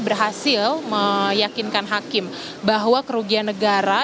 berhasil meyakinkan hakim bahwa kerugian negara